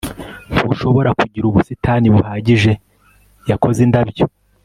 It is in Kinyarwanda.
Ntushobora kugira ubusitani buhagije Yakoze indabyo